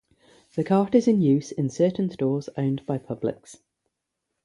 The cart is in use in certain stores owned by Publix.